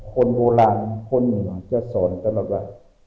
คนโบราณคนหนึ่งจะสอนตลอดว่า